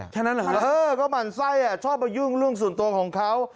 แค่นั้นเหรอฮะเออก็หมั่นไส้ชอบมายุ่งเรื่องส่วนตัวของเขา